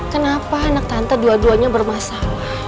kenapa anak tante dua duanya bermasalah